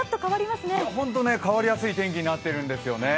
本当に変わりやすい天気になっているんですよね。